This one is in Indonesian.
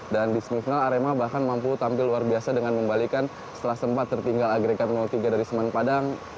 dan di semifinal arema bahkan mampu tampil luar biasa dengan membalikan setelah sempat tertinggal agregat tiga dari semang padang